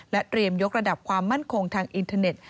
เตรียมยกระดับความมั่นคงทางอินเทอร์เน็ต